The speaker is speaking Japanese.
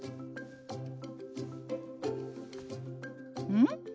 うん？